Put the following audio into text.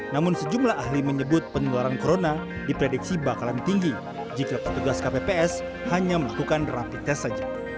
namun sejumlah ahli menyebut penularan corona diprediksi bakalan tinggi jika petugas kpps hanya melakukan rapid test saja